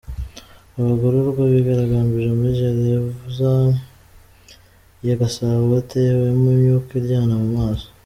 Abagororwa bigaragambije muri Gereza ya Gasabo batewemo imyuka iryana mu maso.